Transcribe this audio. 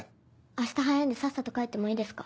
明日早いんでさっさと帰ってもいいですか？